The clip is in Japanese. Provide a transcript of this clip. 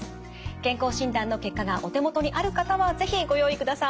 健康診断の結果がお手元にある方は是非ご用意ください。